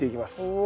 お。